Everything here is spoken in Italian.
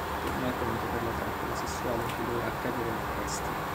Tutto è ormai pronto per la trappola sessuale in cui dovrà cadere la bestia.